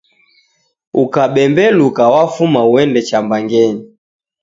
Ukabembeluka wafuma uende cha mbangenyi!